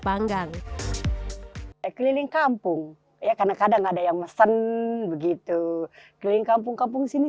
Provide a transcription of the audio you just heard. panggang keliling kampung ya karena kadang ada yang mesen begitu keliling kampung kampung sini